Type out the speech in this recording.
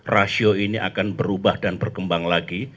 rasio ini akan berubah dan berkembang lagi